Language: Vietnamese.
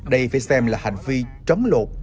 đây phải xem là hành vi trấm lột